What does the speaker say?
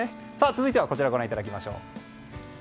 続いてはこちらご覧いただきましょう。